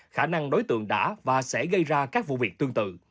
khả năng đối tượng đã và sẽ gây ra các vụ việc tương tự